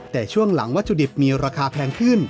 แต่ช่วงหลังวัตถุดิบมีราคาแพงขึ้น